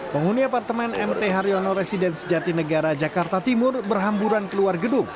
penghuni apartemen mt haryono residen sejati negara jakarta timur berhamburan keluar gedung